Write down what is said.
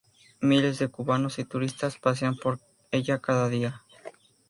Miles de cubanos y turistas pasean por ella cada día.